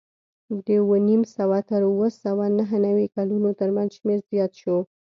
د اوه نیم سوه تر اوه سوه نهه نوې کلونو ترمنځ شمېر زیات شو